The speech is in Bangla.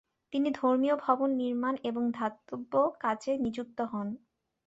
তিনি ধর্মীয় ভবন নির্মাণ এবং দাতব্য কাজে নিযুক্ত হন।